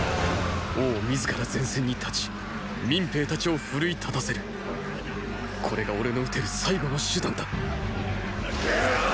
王自ら前線に立ち民兵たちを奮い立たせるこれが俺の打てる最後の手段だくあああァ！